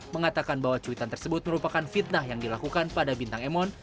mengatakan bahwa cuitan tersebut merupakan fitnah yang dilakukan pada bintang emon